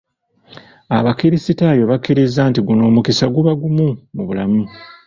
Abakrisitaayo bakkiriza nti guno omukisa guba gumu mu bulamu.